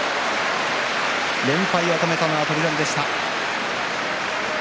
連敗を止めたのは翔猿でした。